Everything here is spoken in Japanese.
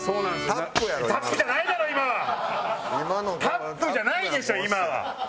タップじゃないでしょ今は。